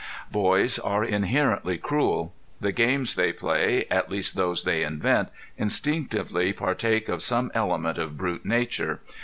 Boys are inherently cruel. The games they play, at least those they invent, instinctively partake of some element of brute nature.